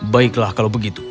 baiklah kalau begitu